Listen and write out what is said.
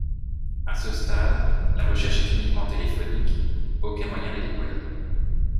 À ce stade, la recherche est uniquement téléphonique, aucun moyen n'est déployé.